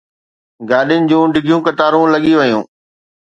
گاڏين جون ڊگهيون قطارون لڳي ويون.